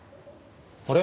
あれ？